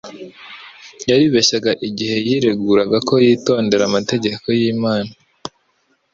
Yaribeshyaga igihe yireguraga ko yitondera amategeko y'Imana,